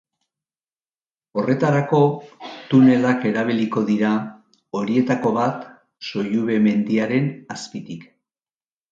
Horretarako, tunelak eraikiko dira, horietako bat Sollube mendiaren azpitik.